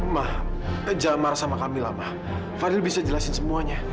ma jangan marah sama kamilah ma fadhil bisa jelasin semuanya